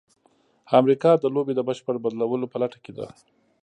امریکا د لوبې د بشپړ بدلولو په لټه کې ده.